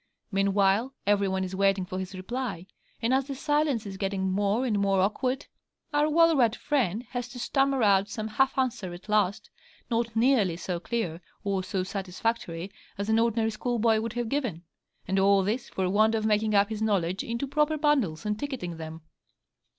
Meanwhile, every one is waiting for his reply, and, as the silence is getting more and more awkward, our well read friend has to stammer out some half answer at last, not nearly so clear or so satisfactory as an ordinary schoolboy would have given. And all this for want of making up his knowledge into proper bundles and ticketing them.